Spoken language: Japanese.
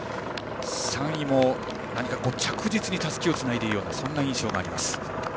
３位も、着実にたすきをつないでいるようなそんな印象があります。